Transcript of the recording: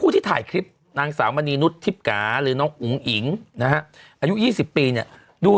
ที่ถ่ายคลิปนางสาวเมนีนุทธิพย์กาหรือน้องอุ๋งหญิงอายุ๒๐ปีน่ะ